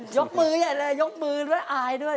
ยกมือยังเลยยกมือแอ้ด้วย